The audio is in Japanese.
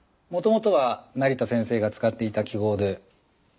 もともとは成田先生が使っていた記号で。